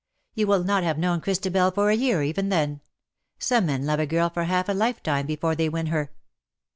^^ You will not have known Christabel for a year, even then. Some men love a girl for half a life time before they win her."